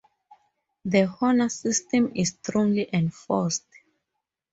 The honor system is strongly enforced.